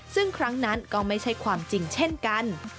ซึ่งครั้งนั้นก็ไม่ใช่ความจริงเช่นกัน